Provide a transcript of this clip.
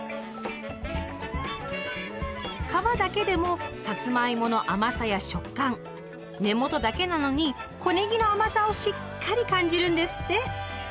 皮だけでもさつまいもの甘さや食感根元だけなのに小ねぎの甘さをしっかり感じるんですって。